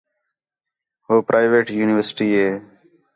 ہو پرائیویٹ یونیورسٹی ہِے